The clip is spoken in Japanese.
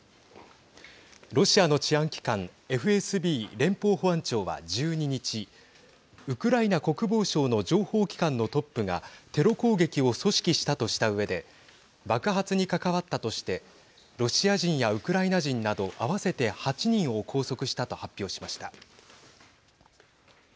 ロシアの治安機関ＦＳＢ＝連邦保安庁は１２日ウクライナ国防省の情報機関のトップがテロ攻撃を組織したとしたうえで爆発に関わったとしてロシア人やウクライナ人など合わせて８人を拘束したと発表しました。